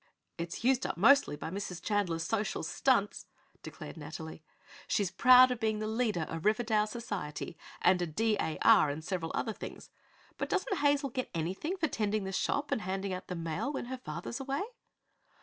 "It's used up mostly by Mrs. Chandler's social stunts," declared Nathalie. "She's proud of being the leader of Riverdale society, and a D. A. R., and several other things. But doesn't Hazel get anything for tending the shop and handing out the mail when her father is away?"